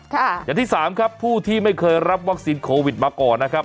อย่างที่สามครับผู้ที่ไม่เคยรับวัคซีนโควิดมาก่อนนะครับ